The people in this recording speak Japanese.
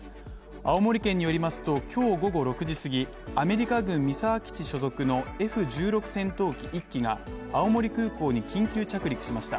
青森県によりますと今日午後６時すぎ、アメリカ軍三沢基地所属のＦ−１６戦闘機１機が青森空港に緊急着陸しました。